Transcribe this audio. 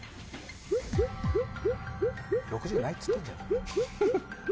「６０」ないっつってんじゃん。